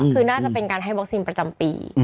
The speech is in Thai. คือน่าจะเป็นการให้วัคซีนประจำปี